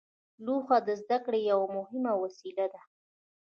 لوحه د زده کړې یوه مهمه وسیله وه.